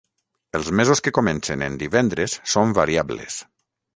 Els mesos que comencen en divendres són variables.